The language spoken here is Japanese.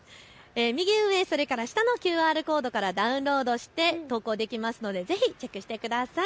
右上、それから下のＱＲコードからダウンロードして投稿できますのでぜひチェックしてください。